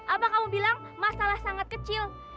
apa kamu bilang masalah sangat kecil